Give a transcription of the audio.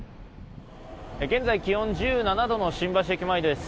現在、気温１７度の新橋駅前です。